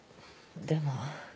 でも。